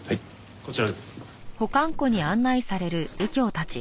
こちらです。